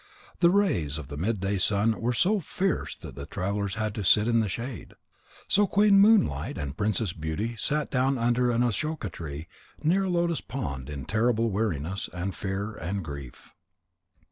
The rays of the midday sun were so fierce that travellers had to sit in the shade. So Queen Moonlight and Princess Beauty sat down under an ashoka tree near a lotus pond in terrible weariness and fear and grief.